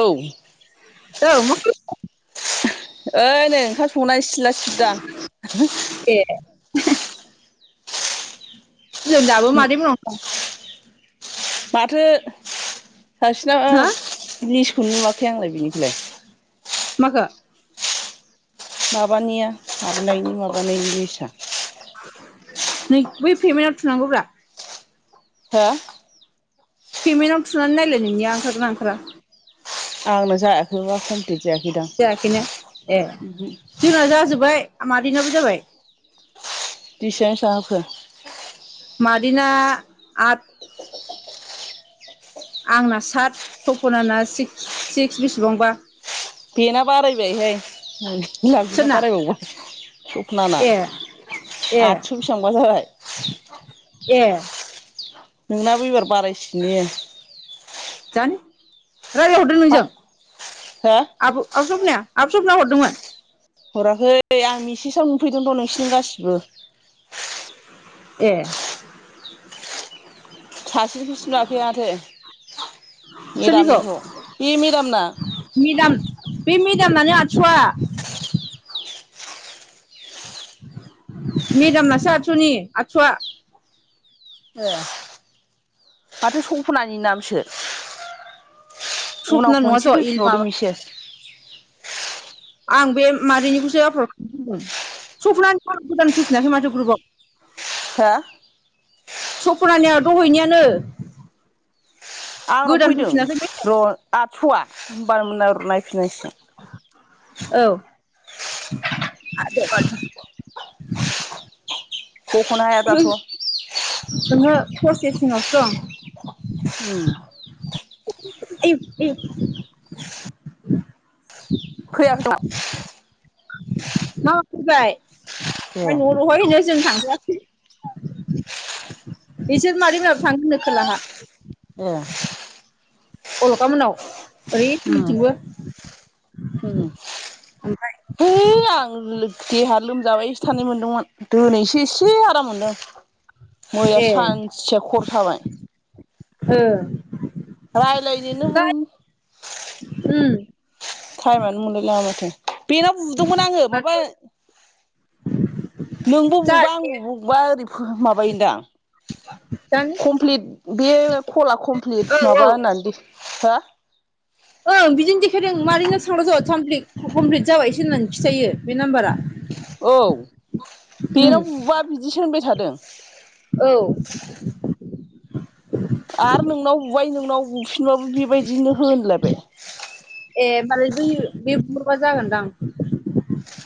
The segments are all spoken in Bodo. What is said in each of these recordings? औ ओइ ओ नै ओंखाम संनाय सिदला सिबदां एह होजों दाबो मादै मोननाव दं? माथो सासेना दं हो लिसखौनो नुवाखै आंलाय बिनिखौलाय। माखो माबानिया हाबनायनि माबानायनि निसा नों बै पेमेन्टाव थुनांगौ ब्रा हा पेमेन्टआव थुनानै नायलाय नोंनिया ओंखारगोन ना ओंखारा आंनो जायाखैबा कमप्लिट जायाखै जायाखैनो ए दां जोंना जाजोब्बाय मादैनाबो जाबाय [unintelligible] हाबखो मादैना आ आंना सात सपनाना सिक्स सिक्स बिसिबांबा बेना बारायबायहाय बि बिना सोरना बारायबावबाय सबना ए ए आदस' बिसिबांबा जाबाय ए नोंनाबो एबार बारायसिगोन ने जानि रायज्लायहरदों मा नोंजों हो आब' आब सफनाया आब सफना हरदोंमोन हराखै आं मेसेजाव नुफैदों थ नोंसिोरनि गासिबो ए सासेनि नुवाखौ माथो सोरनिखौ मेदामनिखौ बे मेदामना मेदाम बे मेदामनानो आसुआ मेदामनासो आदसुनि आदसुआ ओ माथो सपनानि नामसो उनाव सपना नङा खनसे ज' इ फैफिनबावदों माबा मेसे आं बे मादैनिखौसो आपलड खालामदों सपनानो नाम गोदान फिनाखै माथो ग्रुबाव हो सपनाना दहायनि आनो आंनाव फैदों फैफिनाखै बे र' आबाय होमब मोननाय र नायफिननायसगो औ [unintelligible] बखनो हाया दाथ' अहो प्रसेसिंआवसो दं। [inaudible] [inaudible] फैयाबा न खोमा फैयाब्ला ए न बहायनो जों थांजायाखै बिसोर मादै माबो थांगोननो खोलाहा ए अलग मोननाव ओरैनिथिंबो उम उम ओमफ्राय है आं देहा लोमजाबाय थानायानै मोनदोंमोन दोनैसो एसे आराम मोनदों मैया ए सानसेया खर' साबाय ओ रायलायनिनो हम टाइमानो मोनलायलाङा माथो बेनाव बुदोंमोन आङो माबा नोंबो बुबा जाहाथे आंबो बुबा ओरै माबायोदां दानि कमप्लिट बे फला कमप्लिट औ औ माबा दि [unintelligible] ओं बिदिनो देखायदों मादैनो सांग्र जाब इमकमप्लिट जाबायसो होननानै खिथायो बे नाम्बारा औ उम बेयाव बुबा बिदिसो होनबाय थादों औ आरो नोंनाव बुबाय नोंनाव बुफिनबाबो बेबायदिनो होनलायबाय ए होनोमबालाय बै बेबुहरबा जागोनदां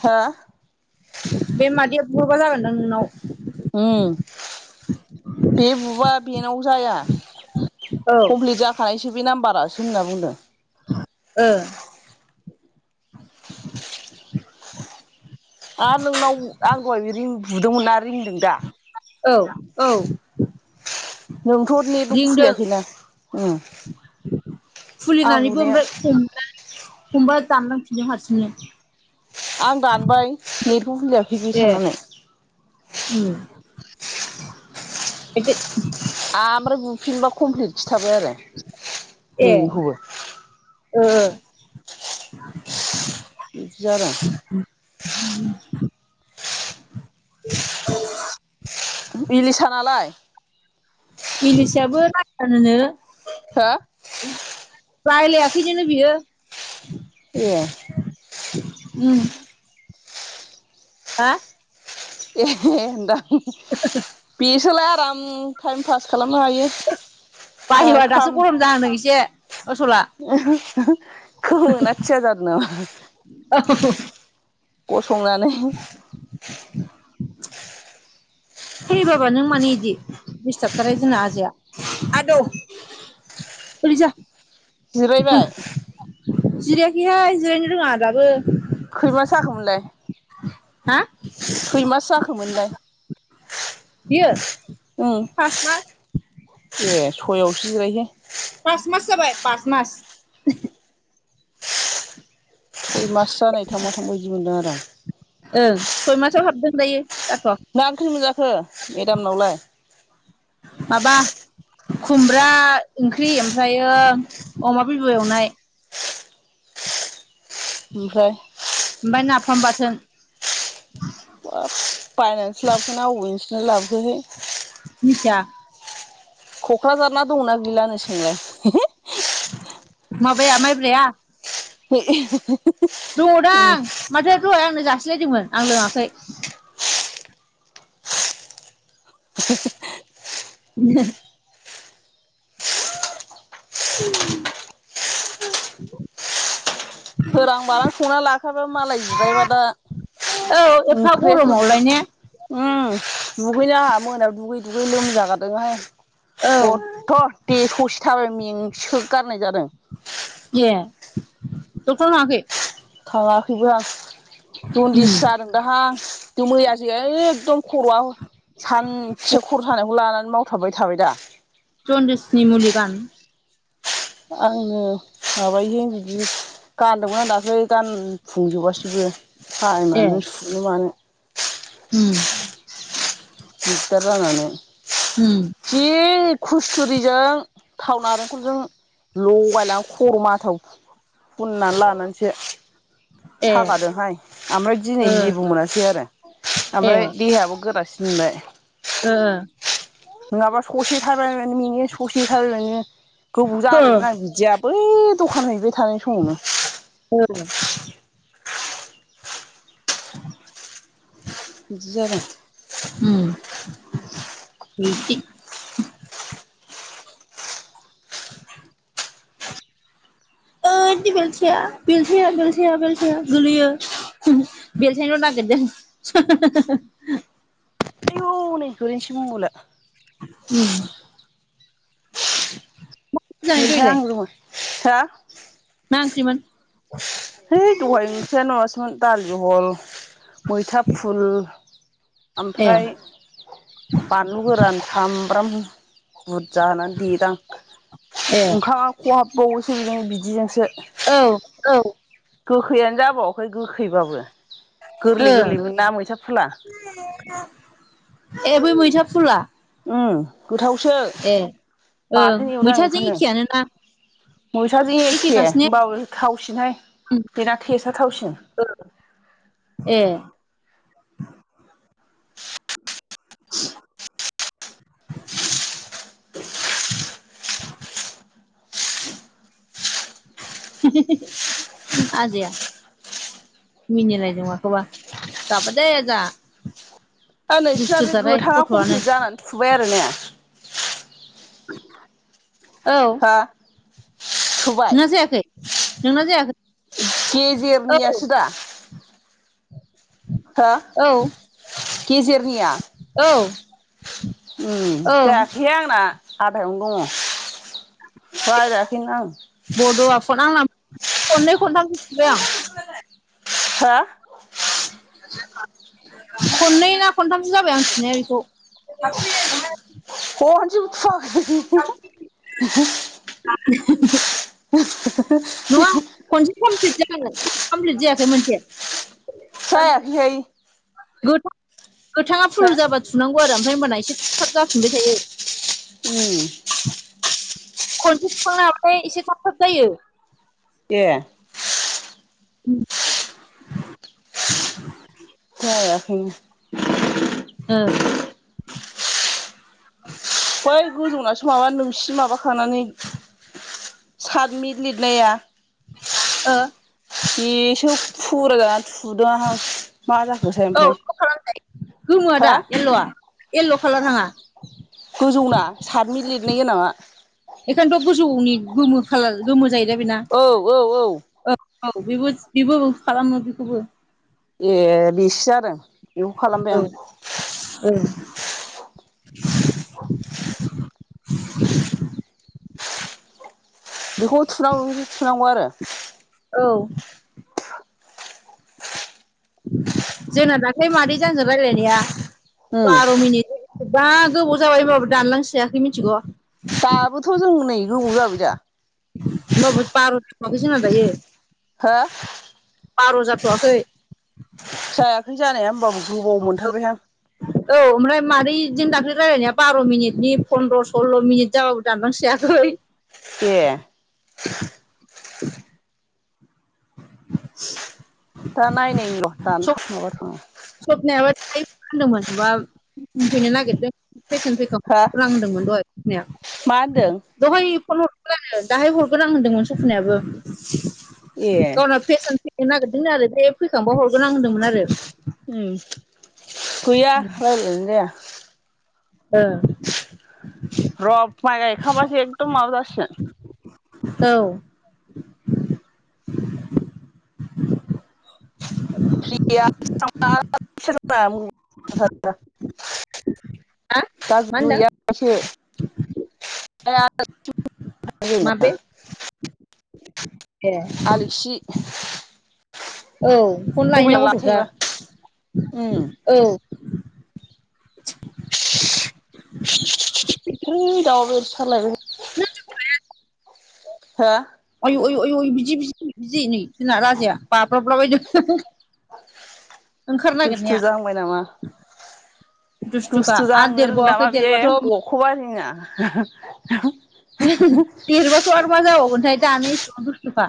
हो बे मादैया बुहरबा जागोनदां नोंनाव उम बे बुबा बेनाव जाया औ कमप्लिथ जाखानायसो बे नाम्बारासो होन्नानै बुंदों ओ आरो नोंनाव आं दहाय रिं बुदोंमोन ना रिंदों दा औ औ नोंथ' नेटबो रिंदों खुलियाखैना! उम आं खुलिनानैबो बुनायाव ओमफ्राय हमनानै हमबा दानलांफिनदों हारसिंनो आं दानबाय नेथ' होनदों ए उम [inaudible] आमफ्राय बुफिनबा कमप्लिट खिन्थाबाय आरो ए ओ नोंनिखौबो ओ बिदि आरो बिलिसानालाय? बिलिसायाबो नायानो नो हो? रायलायाखैनो बियो ए उम हा एहे [unintelligible] [unintelligible] बेसोलाय आराम टाइम फास खालामनो हायो आरो बायोबा दासो खाम गरम जाहांदों एसे असला [unintelligible] खोमोना थिया जादों नामा? [unintelligible] गसंनानै [inaudible] है बाबा नों मानो इदि दिसथाबथारहाय जोंना आजाया। आदौ ओरैजा जिरायबाय? जिरायाखैहाय जिरायनो रोङा दाबो खै मास जाखोमोनलाय? हा खै मास जाखोमोनलाय बियो [unintelligible] उम पास मास [unintelligible] ए सयावसो जिरायो पास मास जाबाय पास मास सय मास जानाय थां माथां बिदि मोनदों आरो आं ओं सय मासाव हाबदों दायो। जाथ'वाखै मो ओंख्रि मोनजाखो मेदामनावलाय? माबा खुमब्रा ओंख्रि ओमफ्रायो अमा बिबु एवनाय ओमफ्राय ओमफ्राय नाफाम बाथोन बाब बायनानैसो लाबोखोना आबेनिसो लाबोखोहाय मिथिया क'क्राझार ना दंना गैलानो सोंलाय माबाया माइब्राया बे [unintelligible] दङ'दां माथो दहाय आंनो जासिलायदोंमोन आं लोङाखै [unintelligible] [unintelligible] ह [inaudible] सोरां बारां संना लाखाबा मालाय जिरायबा दा औ एफा ओंख्रियासो गरमावलाय ने उम दुगैनो आंहा मोनायाव दुगै दुगै लोमजागारदोंहाय औ खद थ' दे ससे थाबाय मेंसोगारनाय जादों। ए डक्टरनाव थाङाखै? थाङाखैबोहां जन्दिस उम जादों दाहां मैयासो एखदम खर'आ सानसे खर' सानायखौ लानानै मावथाबबाय थाबाय दा जन्दिसनि मुलि गान आङो माबायो बिदि गानदोंमोन आं दाखलै गानफुंजोबासैबो ए टायमानो सुनो मानो उम दिगदार जानानै उम जि खुस्थु'रिजों थाव नारेंखलजों लगायना खर' माथाव फुननानै लानानैसो ए सागादोंहाय ओमफ्राय दिनै ओ जेबो मोनासै आरो ए ओमफ्राय देहायाबो गोरासिन मोनबाय ओ नङाबा ससे थाबाय बानो मेङो ससे थाबाय बानो गोबाव ओ जाबायमोन आरो बिदिया बै द'खान हैबाय थानाय समावनो ओ [inaudible] बिदि जादों उम बिदि [inaudible] ओ दि बेलथिया बेलथाया बेलथाया बेलथाया गोलैयो [unintelligible] बेलथायनोल' नागिरदों [unintelligible] हनै गोलैसै मबायला उम जानाय दहायलाय [unintelligible] मा ओंख्रिमोन। है दहाय ओंख्रियानो माबासोमोन दालि जहल। मैथा फुल। ए ओमफ्राय बानलु गोरान सामब्राम। बुरजा होनानै देदां ए ओंखामा खहाबबावोसो बेजों बिदिजोंसो। औ औ। गोखैयानो जाबावाखै गोखैबाबो गोरलै गोरलैमोन ना मैथा फुला। ए बै मैथा फुला। उम गोथावसो ए ओं बाथोन एवदां मैथाजों बेखोनो। एखेयानो ना मैथाजों एखे एखेखासो ने होनबाबो थावसिनहाय बेना थेसा थावसिनो। औ ए। [inaudible] आजाया। मिनिलायदों माखौबा गाबा दे आजा। ओ नोंसोरना दुस्थु बे जाथाय गोथाङा गथ'आनो कमप्लिट जानानै थुबाय आरो ने औ। हा नुबाय नोंना जायाखै नोंना जायाखै औ ‌गेजेरनियासो‌ दा हो औ गेजिरनिया औ उम ओं जायाखै आंना आधायावनो दङ। रायजायाखैनो बड'आ फन आं खननै खन्थाम थुबाय आं। हो [unintelligible] खननै ना खनथामसो जाबाय आं थुनाया बेखौ। [unintelligible] [unintelligible] [unintelligible] नङा खनसे कमप्लिट जाख कमप्लिट जायाखै मोनसे। जायाखै हाय। गोथां गोथाङा फुल जाबा थुनांगौ आरो ओमफ्राय हबाना एसे थाब थाब जाफिनबाय थायो। उम। खनसे सुखांनो हथाय एसे थाब थाब जायो। ए। [inaudible] खायाखै। उम। बै गोजौनासो माबा नोंसि माबाखानानै सातमिनित लिरनाया ओ। बेसे फुर गान सुदों आंहा मा जाखोसै औ ओमफ्राय बेखौ खालामजायो गोमोआ होा दा येल्ल'आ येल्ल' कलार नाङा? गोजौना सारनै लिरनाय गोनांआ। बेखायनोथ' गोजौनि गोमो खाालार गोमो जाह दा बेना औ औ औ औ बेबो बेबो खालामो बेखौबो। ए बेसो जादों बेखौ खालामबाय आं। औ। बेखौ थुनांगौखौ थुनांगौ आरो? औ। जोंना दाख्लि मादैजों आंजों रायलायनाया उम बार' मिनिट जा गोबाव जाबाय होनोमबाबो दानलांस्रायाखै मिथिगौ? दाबोथ' जों नै गोबाव जाबाय दा। होमबाबो बार' जाबावाखै जोंना दायो। हो? बार' जाथ'वाखै। जायाखै जानाया होमबाबो गोबाव मोनथारबायहां। औ ओमफ्राय मारै जों दाख्लै रायज्लायनाया बार' मिनिटनि पन्द्र' सल्ल' मिनिट जाबाबो‌ दानलांस्रायाखै। ए। [inaudible] [inaudible] दा नायनायनि र' दानथ' [unintelligible] सबनायाबो टाइम होनो मोनबा [unintelligible] मा होनदों [unintelligible] दहाय फैनायाव। दहाय फन हरदोंमोन आं दाहाय हरगोन आं होनदोंमोन सफ'नायाबो ए गावना फेसन फैनो नागिरदोंनो आरो बे फैखांबा हरगोन आं होनदोंमोन आरो। उम गैया रायलायनायानो जाया। ओ। र माइ गायखांबासो एकदम माबा जासिगोन। औ। [unintelligible] हा मा होनदों [unintelligible] माबे? ए आलिगसि। औ फन लायोना मबेला लाना गथ'फ्रा थायोबा उम। औ हैै दाउआबो एफा [unintelligible] [unintelligible] हो? आयु आयु आयु बिदि बिजि बिजि बिजि जोंना राजाया नै बाब्राबलाबायदों। ओंखारनो दुस्थु नागेरनाया। जाहांबाय नामा दुसथ'खा आरो देरबावाखै देरबाथ खवा हिङा देरबाथ आरो मा जाबावगोनथाय दानो इसेबां दुसथखा।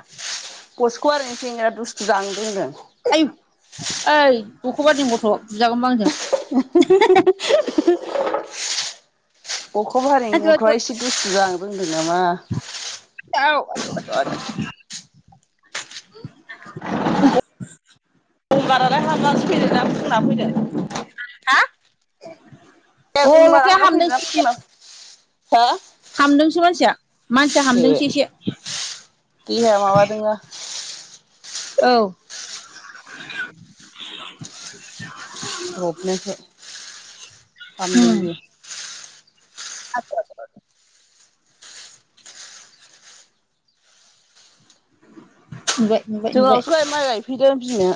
गसख' ओरैनो सेंग्रा दुस्थु जाहांनो रोंदों। आयु ओइ दखबादिनि गथ बुजागोनबो आंजों। गखबारिनि आयु गथवा इसे दुस्थ जाहांनो रोंदों नामा? औ [unintelligible] गंगारालाय हामनानैसो फैदों ना फुंना फैदों? हा? ए गंगारा हामना फैदों ना फुंना हा? हामदोंसो मानसिया मानसिया हामदोंसो एसे देहाया माबादोंना औ नुबाय [unintelligible] [unintelligible] नुबाय नुबाय जोंनावसो माइ गायफैदों बिमाया